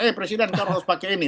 eh presiden kan harus pakai ini